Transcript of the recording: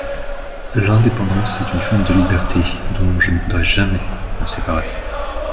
L’indépendance est une forme de liberté dont je ne voudrais jamais me séparer.